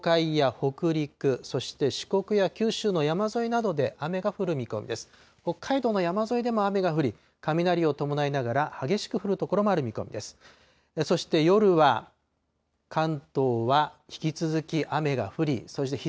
北海道の山沿いでも雨が降り、雷を伴いながら激しく降る所もある見込みです。